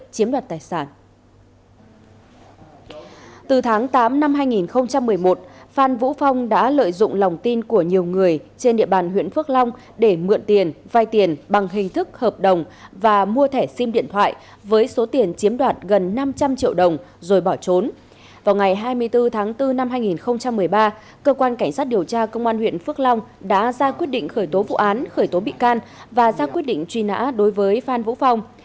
cơ quan cảnh sát điều tra công an huyện phước long đã ra quyết định khởi tố vụ án khởi tố bị can và ra quyết định truy nã đối với phan vũ phong